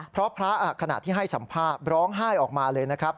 เพราะพระขณะที่ให้สัมภาษณ์ร้องไห้ออกมาเลยนะครับ